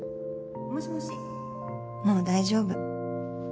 もう大丈夫。